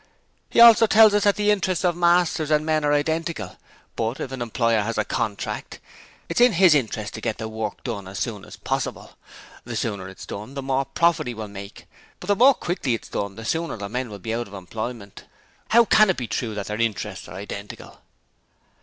'He also tells us that the interests of masters and men are identical; but if an employer has a contract, it is to his interest to get the work done as soon as possible; the sooner it is done the more profit he will make; but the more quickly it is done, the sooner will the men be out of employment. How then can it be true that their interests are identical?